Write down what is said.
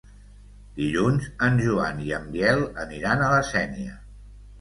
Dilluns en Joan i en Biel aniran a la Sénia.